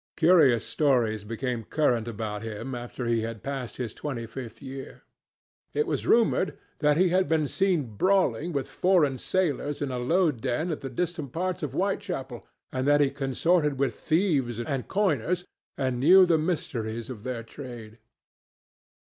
Curious stories became current about him after he had passed his twenty fifth year. It was rumoured that he had been seen brawling with foreign sailors in a low den in the distant parts of Whitechapel, and that he consorted with thieves and coiners and knew the mysteries of their trade.